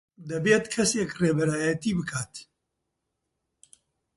دەبێت کەسێک ڕێبەرایەتی بکات.